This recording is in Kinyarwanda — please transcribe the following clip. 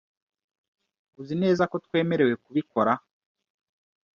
Uzi neza ko twemerewe kubikora?